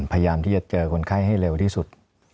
พยายามที่จะเจอคนไข้ให้เร็วที่สุด